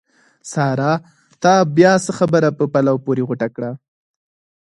سارا! تا بیا څه خبره په پلو پورې غوټه کړه؟!